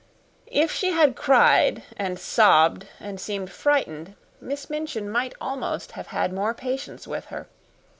If she had cried and sobbed and seemed frightened, Miss Minchin might almost have had more patience with her.